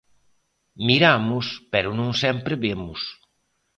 Miramos, pero non sempre vemos.